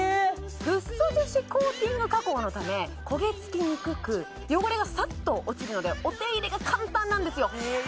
フッ素樹脂コーティング加工のため焦げつきにくく汚れがさっと落ちるのでお手入れが簡単なんですよ